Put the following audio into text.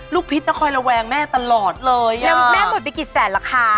ลูกพลิตเค้าคอยระวังแม่ตลอดเลยแล้วแม่หมดไปกี่แสนละคะ